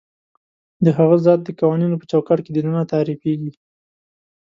د هغه ذات د قوانینو په چوکاټ کې دننه تعریفېږي.